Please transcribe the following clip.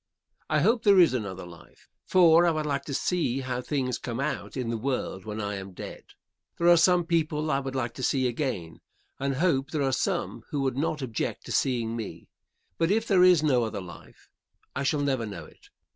I hope there is another life, for I would like to see how things come out in the world when I am dead. There are some people I would like to see again, and hope there are some who would not object to seeing me; but if there is no other life I shall never know it.